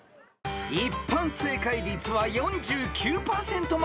［一般正解率は４９％まで上昇］